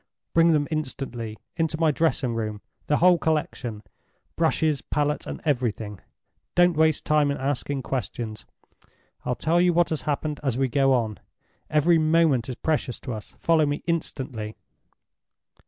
"Bring them instantly into my dressing room—the whole collection, brushes, palette, and everything. Don't waste time in asking questions; I'll tell you what has happened as we go on. Every moment is precious to us. Follow me instantly!"